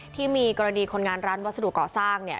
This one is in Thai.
ที่มีกรณีคนงานร้านวัสดุก่อสร้างเนี่ย